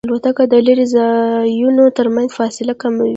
الوتکه د لرې ځایونو ترمنځ فاصله کموي.